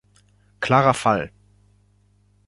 Klarer Fall!